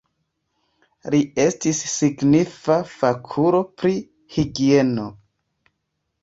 Li estis signifa fakulo pri higieno.